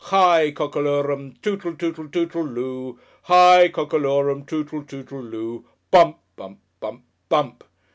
"HIGH cockalorum Tootletootle tootle loo. HIGH cockalorum tootle lootle loo. BUMP, bump, bump BUMP."